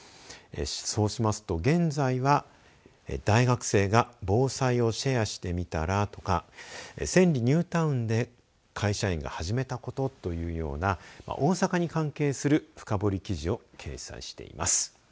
そうしますと現在は、大学生が防災をシェアしてみたらとか千里ニュータウンで会社員が始めたことというような大阪に関係する深堀記事を掲載しています。